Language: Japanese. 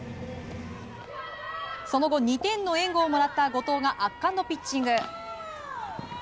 その後、２点の援護をもらった後藤が圧巻のピッチング。